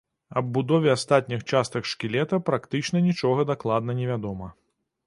Аб будове астатніх частак шкілета практычна нічога дакладна невядома.